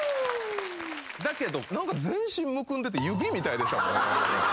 だけど何か全身むくんでて指みたいでしたもんね